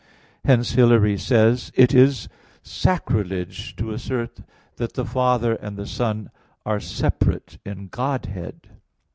Hence Hilary says (De Trin. vii): "It is sacrilege to assert that the Father and the Son are separate in Godhead."